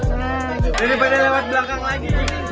ini pada lewat belakang lagi